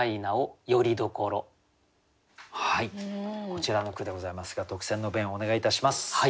こちらの句でございますが特選の弁をお願いいたします。